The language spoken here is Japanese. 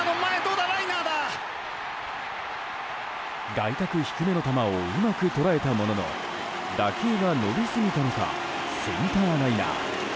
外角低めの球をうまく捉えたものの打球が伸びすぎたのかセンターライナー。